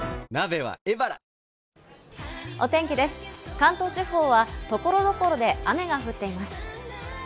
関東地方は所々で雨が降っています。